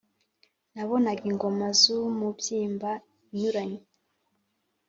nabonaga ingoma z’umubyimba unyuranye